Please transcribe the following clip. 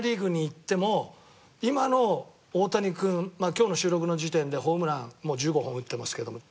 今の大谷君今日の収録の時点でホームラン１５本打ってますけども。